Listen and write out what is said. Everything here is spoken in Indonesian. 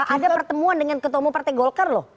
ada pertemuan dengan ketua umum partai golkar loh